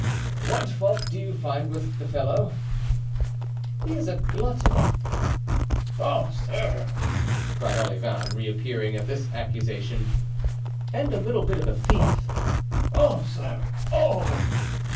"What fault do you find with the fellow?" "He is a glutton." "Oh, sir!" cried Olivain, reappearing at this accusation. "And a little bit of a thief." "Oh, sir! oh!"